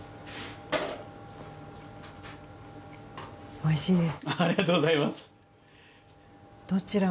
おいしいです。